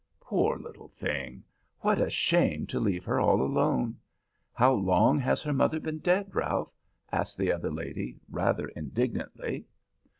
"Poor little thing! What a shame to leave her all alone! How long has her mother been dead, Ralph?" asked the other lady, rather indignantly.